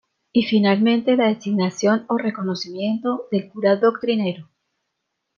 Y finalmente la designación o reconocimiento del cura doctrinero.